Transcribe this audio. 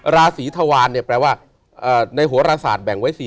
ราศีธวารเนี่ยแปลว่าในโหรศาสตร์แบ่งไว้๔๐